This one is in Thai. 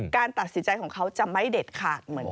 การตัดสินใจของเขาจะไม่เด็ดขาด